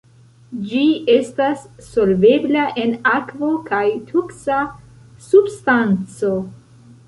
Ĝi estas solvebla en akvo kaj toksa substanco.